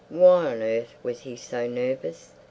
Why on earth was he so nervous?